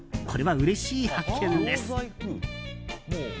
これはうれしい発見です。